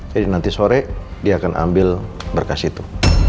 jadi nanti sore dia akan ambil berkas itu